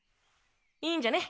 いいんじゃね。